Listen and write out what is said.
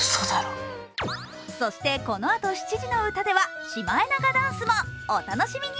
そして、このあと７時の歌ではシマエナガダンスもお楽しみに。